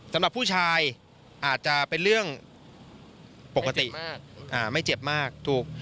สำหรับผู้ชายอาจจะเป็นเรื่องปกติไม่เจ็บมากอ่าไม่เจ็บมากถูก